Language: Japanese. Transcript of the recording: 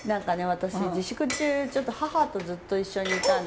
私自粛中母とずっと一緒にいたんですけど。